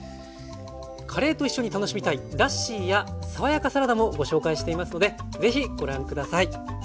カレーと一緒に楽しみたいラッシーや爽やかサラダもご紹介していますのでぜひご覧下さい。